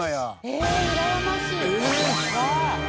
えうらやましい！